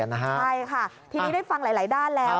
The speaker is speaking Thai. ใช่ค่ะทีนี้ได้ฟังหลายด้านแล้ว